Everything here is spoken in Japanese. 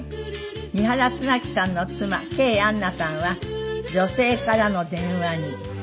三原綱木さんの妻ケイ・アンナさんは女性からの電話に。